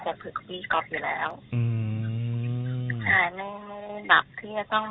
ควบคุกพี่กอบอยู่แล้วอืมใช่ไม่ไม่แบบที่จะต้องอ่า